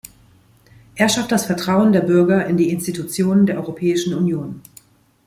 Er schafft das Vertrauen der Bürger in die Institutionen der Europäischen Union.